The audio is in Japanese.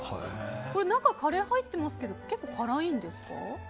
中、カレー入ってますけど結構辛いんですか？